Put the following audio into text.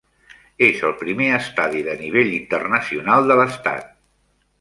És el primer estadi de nivell internacional de l'estat.